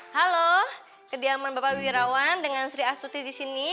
halo kediaman bapak wirawan dengan sri astuti disini